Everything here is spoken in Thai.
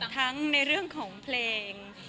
ทั้งในเรื่องของเพลง